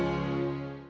sampai jumpa lagi